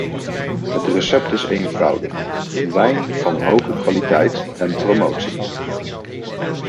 Het recept is eenvoudig: wijn van hoge kwaliteit en promotie.